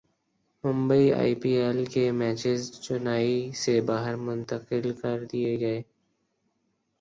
Mumbai I P L کے matches Chennai سے باہر منتقل کر دیئے گئے